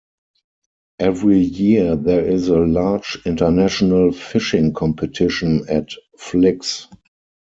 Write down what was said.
Every year there is a large international fishing competition at Flix.